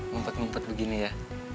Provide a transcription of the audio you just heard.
mumpet mumpet begini ya